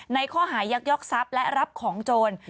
ในข้อหายักยอกทรัพย์และรับของโจร